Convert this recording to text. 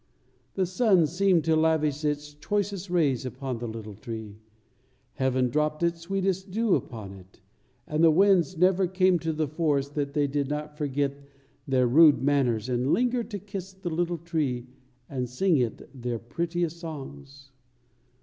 The sun seemed to lavish its choicest rays upon the little tree, heaven dropped its sweetest dew upon it, and the winds never came to the forest that they did not forget their rude manners and linger to kiss the little tree and sing it their prettiest songs.